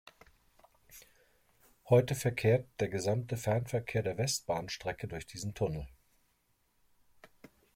Heute verkehrt der gesamte Fernverkehr der Westbahnstrecke durch diesen Tunnel.